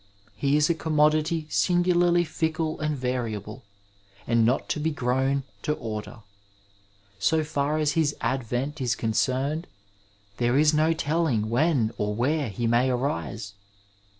He is a commodity singularly fickle and variable, and not to be grown to order. So far as his advent is concerned there is no telling when or where he may arise.